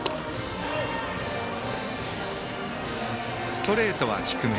ストレートは低め。